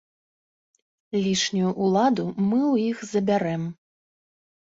Лішнюю ўладу мы ў іх забярэм.